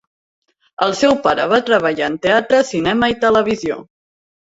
El seu pare va treballar en teatre, cinema i televisió.